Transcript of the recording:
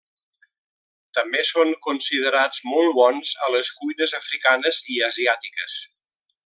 També són considerats molt bons a les cuines africanes i asiàtiques.